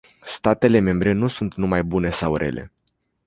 Statele membre nu sunt numai bune sau rele.